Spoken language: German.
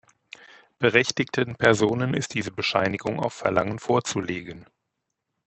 Berechtigten Personen ist diese Bescheinigung auf Verlangen vorzulegen.